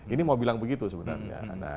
ini mau bilang begitu sebenarnya